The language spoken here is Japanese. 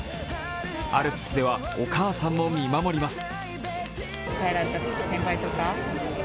アルプスではお母さんも見守ります。